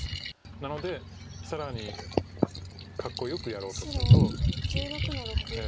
なので更にかっこよくやろうとすると。